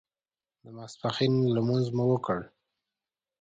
د ماسپښین لمونځ مو وکړ.